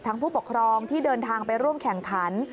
ผู้ปกครองที่เดินทางไปร่วมแข่งขัน